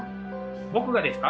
「僕がですか？」。